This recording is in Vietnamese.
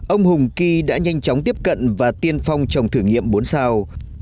ông hùng kỳ đã nhanh chóng tiếp cận và tiên phong trồng thử nghiệm bốn sao